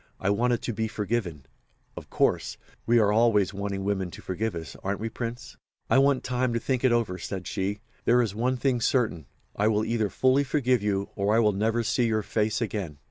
I wanted to be forgiven, of course—we are always wanting women to forgive us, aren't we, Prince?" "'I want time to think it over,' said she. 'There is one thing certain; I will either fully forgive you, or I will never see your face again.